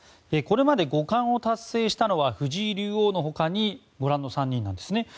これまで五冠を達成したのは藤井竜王の他にご覧の３人なんです。